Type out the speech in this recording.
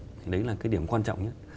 thì đấy là cái điểm quan trọng nhất